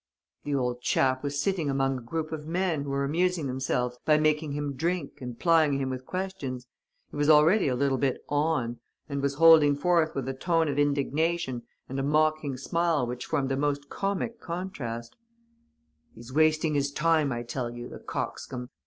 "The old chap was sitting among a group of men who were amusing themselves by making him drink and plying him with questions. He was already a little bit 'on' and was holding forth with a tone of indignation and a mocking smile which formed the most comic contrast: "'He's wasting his time, I tell you, the coxcomb!